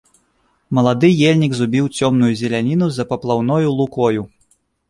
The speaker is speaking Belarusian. Малады ельнік зубіў цёмную зеляніну за паплаўною лукою.